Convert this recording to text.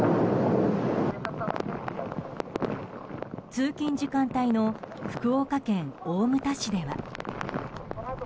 通勤時間帯の福岡県大牟田市では。